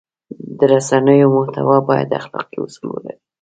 د رسنیو محتوا باید اخلاقي اصول ولري.